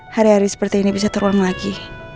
hari hari seperti ini bisa terulang lagi